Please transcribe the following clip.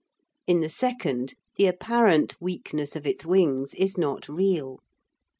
In the second, the apparent weakness of its wings is not real.